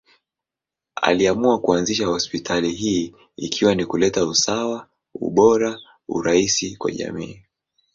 Aliamua kuanzisha hospitali hii ikiwa ni kuleta usawa, ubora, urahisi kwa jamii.